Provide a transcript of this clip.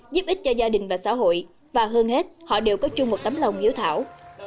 giúp ích cho gia đình và xã hội và hơn hết họ đều có chung một tấm lòng hiếu thảo